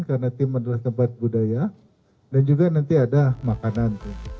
karena tim adalah tempat budaya dan juga nanti ada makanan